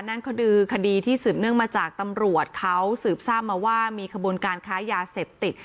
นั่นคือคดีที่สืบเนื่องมาจากตำรวจเขาสืบทราบมาว่ามีขบวนการค้ายาเสพติด